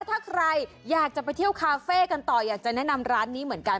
ถ้าใครอยากจะไปเที่ยวคาเฟ่กันต่ออยากจะแนะนำร้านนี้เหมือนกัน